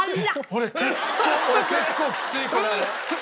俺結構俺結構きついこれ。